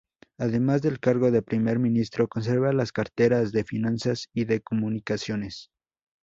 Además del cargo de primer ministro, conserva las carteras de Finanzas y de Comunicaciones.